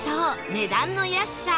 値段の安さ